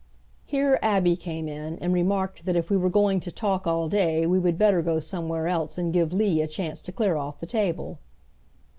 Here Abby came in, and remarked that if we were going to talk all day we would better go somewhere else and give Lee a chance to clear off the table.